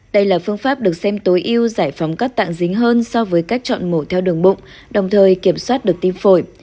đây là phương pháp được xem tối ưu giải phóng các tạng dính hơn so với cách chọn mổ theo đường bụng đồng thời kiểm soát được tim phổi